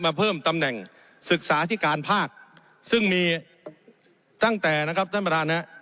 มาเพิ่มตำแหน่งศึกษาที่การภาคซึ่งมีตั้งแต่นะครับท่านประธานนะ